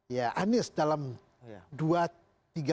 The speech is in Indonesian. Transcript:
ya anis dalam dua tahun